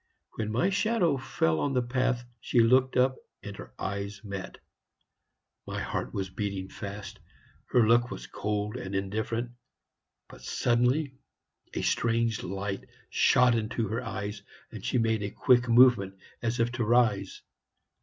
When my shadow fell on the path, she looked up, and our eyes met. My heart was beating fast. Her look was cold and indifferent; but suddenly a strange light shot into her eyes, and she made a quick movement, as if to rise.